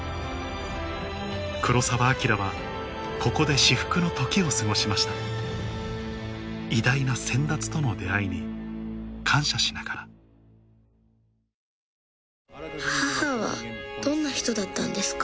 黒澤明はここで至福の時を過ごしました偉大な先達との出会いに感謝しながら母はどんな人だったんですか？